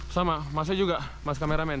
sama masnya juga mas kameramen